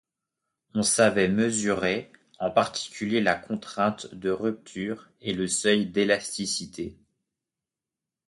On savait mesurer en particulier la contrainte de rupture et le seuil d’élasticité.